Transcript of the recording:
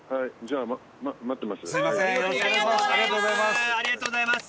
伊達：ありがとうございます。